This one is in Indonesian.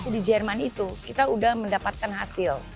di jerman itu kita sudah mendapatkan hasil